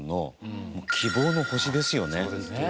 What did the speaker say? そうですね。